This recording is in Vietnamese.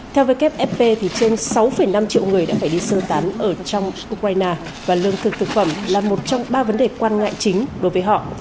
theo wfp thì trên sáu năm triệu người đã phải đi sơ tán ở trong ukraine và lương thực thực phẩm là một trong ba vấn đề quan ngại chính đối với họ